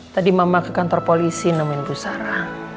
tadi mama ke kantor polisi nemuin bu sara